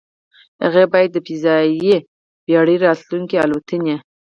هغې باید د فضايي بېړۍ راتلونکې الوتنې